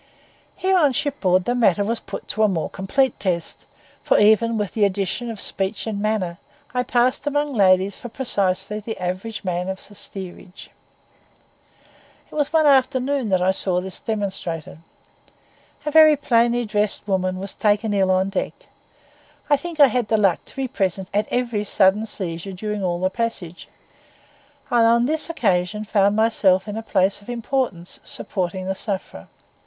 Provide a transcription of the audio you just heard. Here on shipboard the matter was put to a more complete test; for, even with the addition of speech and manner, I passed among the ladies for precisely the average man of the steerage. It was one afternoon that I saw this demonstrated. A very plainly dressed woman was taken ill on deck. I think I had the luck to be present at every sudden seizure during all the passage; and on this occasion found myself in the place of importance, supporting the sufferer.